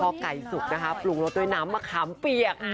พอไก่สุกนะคะปรุงรสด้วยน้ำมะขามเปียก